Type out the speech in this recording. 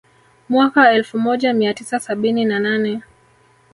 Mwaka elfu moja mia tisa sabini na nane